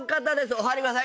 お座りください